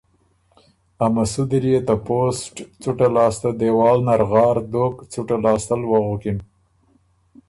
ا مسُودی ليې ته پوسټ څُته لاسته دېوال نر غار دوک څُټه لاسته ل وُغکِن۔